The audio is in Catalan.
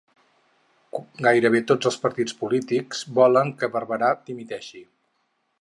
Gairebé tots els partits polítics volen que Barberà dimiteixi